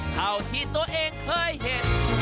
เท่าที่ตัวเองเคยเห็น